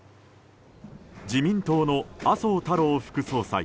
自民党の麻生太郎副総裁。